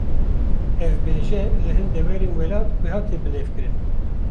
Ev bêje, li hin deverên welat wiha tê bilêvkirin